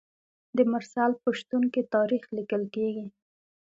د مرسل په شتون کې تاریخ لیکل کیږي.